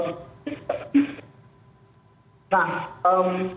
sehingga ini sudah diperhatikan